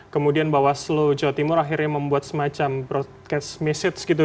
kemudian bawaslu jawa timur akhirnya membuat semacam broadcast message gitu